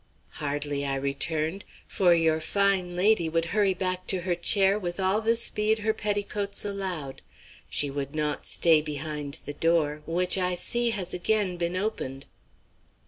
"Hardly," I returned. "For your fine lady would hurry back to her chair with all the speed her petticoats allowed. She would not stay behind the door, which, I see, has again been opened."